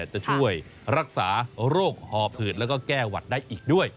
จะช่วยรักษาโรคห่อผืดแล้วก็แก้หวัดได้อีกด้วย